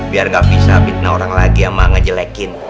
biar nggak bisa mitnah orang lagi yang mah ngejelekin